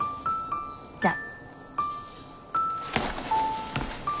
じゃあ。